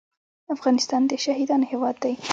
افغانستان د شهیدانو هیواد دی